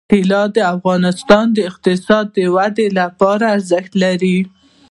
طلا د افغانستان د اقتصادي ودې لپاره ارزښت لري.